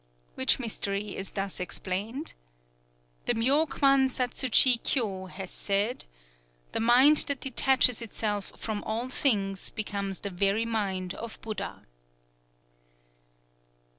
'_" Which mystery is thus explained: "_The Myō kwan satsu chi kyō has said: 'The mind that detaches itself from all things becomes the very mind of Buddha.